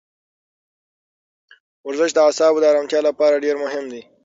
ورزش د اعصابو د ارامتیا لپاره ډېر مهم دی.